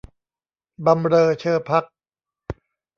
บำเรอเชอภักดิ์